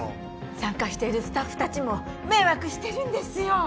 参加しているスタッフ達も迷惑してるんですよ